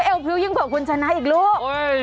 เอลผิวยิ่งเป็นคนชนะอีกลูก